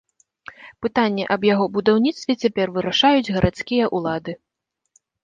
Пытанне аб яго будаўніцтве цяпер вырашаюць гарадскія ўлады.